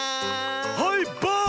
はいバーン！